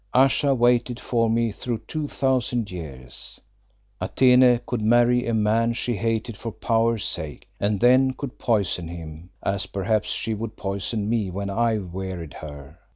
Ayesha waited for me through two thousand years; Atene could marry a man she hated for power's sake, and then could poison him, as perhaps she would poison me when I wearied her.